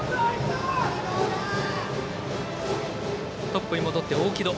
トップに戻って大城戸。